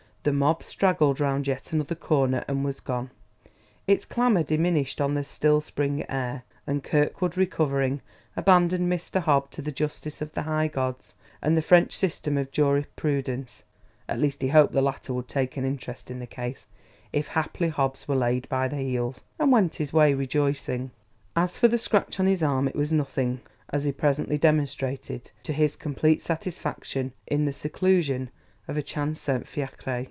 The mob straggled round yet another corner and was gone; its clamor diminished on the still Spring air; and Kirkwood, recovering, abandoned Mr. Hobbs to the justice of the high gods and the French system of jurisprudence (at least, he hoped the latter would take an interest in the case, if haply Hobbs were laid by the heels), and went his way rejoicing. As for the scratch on his arm, it was nothing, as he presently demonstrated to his complete satisfaction in the seclusion of a chance sent fiacre.